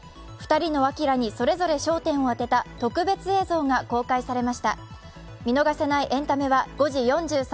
２人のあきらにそれぞれ焦点を当てた特別映像が公開されました。